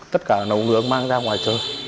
tất cả nấu nướng mang ra ngoài chơi